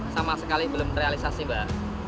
sama sekali belum terrealisasi mbak